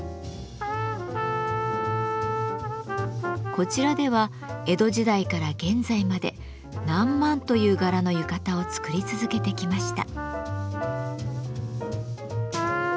こちらでは江戸時代から現在まで何万という柄の浴衣を作り続けてきました。